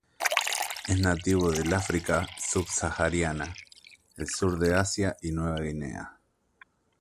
Es nativo del África subsahariana, el sur de Asia y Nueva Guinea.